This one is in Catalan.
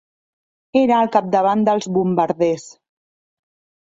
Era al capdavant dels bombarders.